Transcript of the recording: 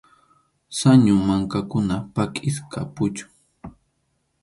Sañu mankakunap pʼakisqa puchun.